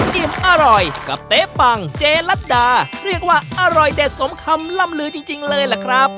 อิ่มอร่อยกับเต๊ปังเจลัดดาเรียกว่าอร่อยเด็ดสมคำล่ำลือจริงเลยล่ะครับ